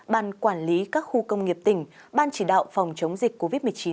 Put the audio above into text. ban quản lý các khu công nghiệp tỉnh ban chỉ đạo phòng chống dịch covid một mươi chín